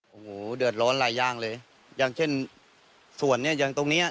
โอ้โหเดือดร้อนหลายอย่างเลยอย่างเช่นส่วนเนี้ยอย่างตรงเนี้ย